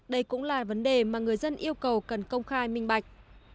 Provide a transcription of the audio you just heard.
đây cũng là vấn đề mà người dân yêu cầu cần công khai minh bạch